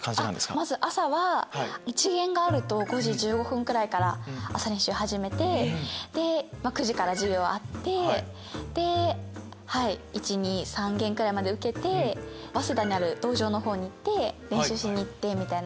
まず朝は１限があると５時１５分くらいから朝練習始めて９時から授業あって１２３限くらいまで受けて早稲田にある道場のほうに行って練習しに行ってみたいな。